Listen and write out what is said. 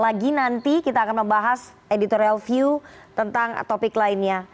lagi nanti kita akan membahas editorial view tentang topik lainnya